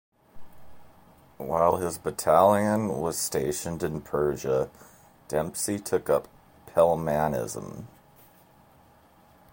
While his battalion was stationed in Persia, Dempsey took up Pelmanism.